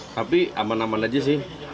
tapi aman aman aja sih